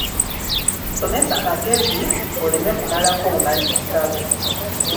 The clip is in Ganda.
Somesa magezi, oleme kumalako bumazi kitabo.